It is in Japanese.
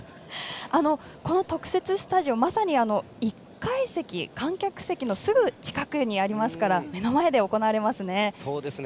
この特設スタジオまさに１階席観客席のすぐ近くにありますから目の前で行われますね。